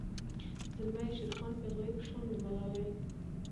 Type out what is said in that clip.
زلمي یی شیرخان پیغلۍ په شان د ملالۍ